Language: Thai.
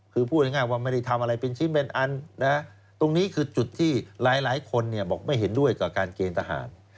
คือพูดง่ายว่าไม่ได้ทำอะไรเป็นชิ้นเป็นอันนะตรงนี้คือจุดที่หลายคนบอกไม่เห็นด้วยกับการเกณฑ์ทหาร